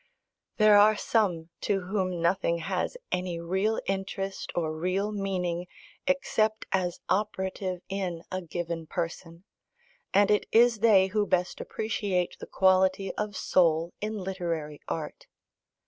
There are some to whom nothing has any real interest, or real meaning, except as operative in a given person; and it is they who best appreciate the quality of soul in literary art.